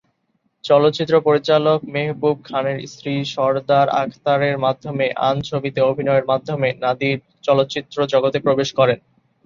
চলচ্চিত্র পরিচালক মেহবুব খানের স্ত্রী সরদার আখতারের মাধ্যমে আন ছবিতে অভিনয়ের মাধ্যমে নাদির চলচ্চিত্র জগতে প্রবেশ করেন।